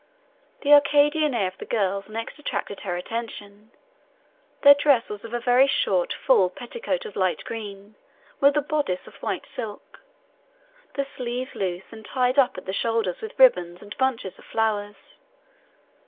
The Arcadian air of the girls next attracted her attention. Their dress was a very short full petticoat of light green, with a boddice of white silk; the sleeves loose, and tied up at the shoulders with ribbons and bunches of flowers.